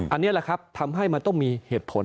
อันนี้แหละครับทำให้มันต้องมีเหตุผล